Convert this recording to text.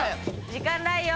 時間ないよ。